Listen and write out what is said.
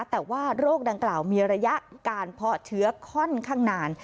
แต่ว่าโรคดังกล่าวมีระยะการเพาะเชื้อค่อนข้างนาน